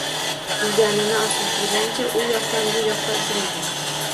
Yuganini osiltirgancha u yoqdan bu yoqqa izg`iydi